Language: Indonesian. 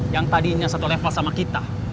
yang tadinya satu level sama kita